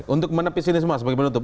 untuk menepis ini semua sebagai penutup